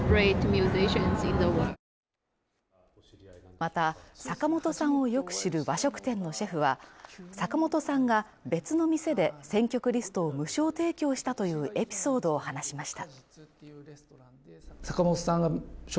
また、坂本さんをよく知る和食店のシェフは坂本さんが別の店で選曲リストを無償提供したというエピソードを話しました